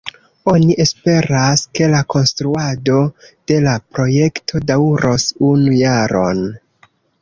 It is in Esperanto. Oni esperas, ke la konstruado de la projekto daŭros unu jaron.